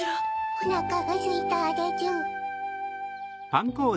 おなかがすいたでちゅ。